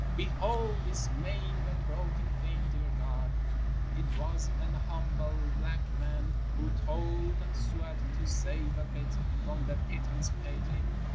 _ Behold this maimed and broken thing; dear God, it was an humble black man who toiled and sweat to save a bit from the pittance paid him.